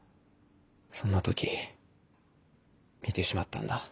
そんな時見てしまったんだ。